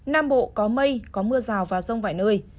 nam bộ có mây có mưa rào và rông vài nơi